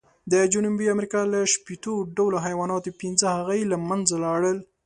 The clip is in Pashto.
د جنوبي امریکا له شپېتو ډولو حیواناتو، پینځه هغه یې له منځه لاړل.